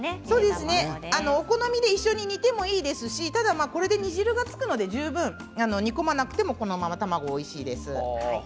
一緒に煮てもいいですしこれで煮汁がつくので十分煮込まなくてもこのままでも卵はおいしいです。